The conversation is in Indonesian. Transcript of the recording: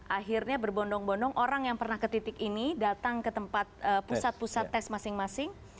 akhirnya berbondong bondong orang yang pernah ke titik ini datang ke tempat pusat pusat tes masing masing